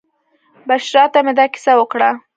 بشرا ته مې دا کیسه وکړه.